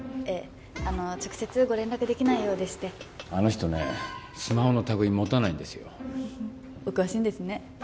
ええあの直接ご連絡できないようでしてあの人ねスマホのたぐい持たないんですよお詳しいんですね